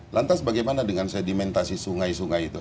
lantas bagaimana dengan sedimentasi sungai sungai itu